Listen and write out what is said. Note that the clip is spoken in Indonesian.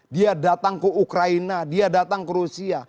dia datang ke ukraina dia datang ke rusia